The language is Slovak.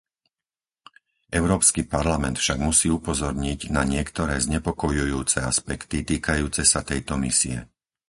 Európsky parlament však musí upozorniť na niektoré znepokojujúce aspekty týkajúce sa tejto misie.